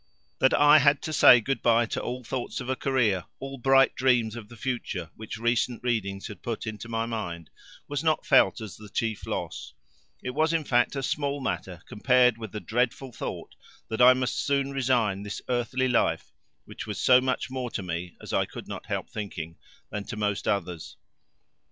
That I had to say good bye to all thoughts of a career, all bright dreams of the future which recent readings had put into my mind, was not felt as the chief loss, it was in fact a small matter compared with the dreadful thought that I must soon resign this earthly life which was so much more to me, as I could not help thinking, than to most others.